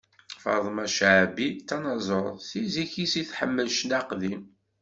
Faṭma Caɛbi, d tanaẓurt, si zik-is tḥemmel ccna aqdim.